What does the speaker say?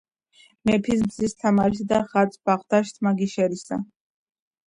- მეფისა მზის -თამარისა, ღაწვ-ბადახშ, თმა-გიშერისა,